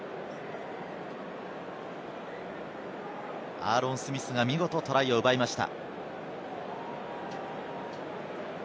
アーロン・スミスが見事、トライを奪いました。